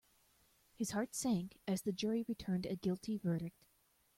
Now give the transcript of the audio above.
His heart sank as the jury returned a guilty verdict.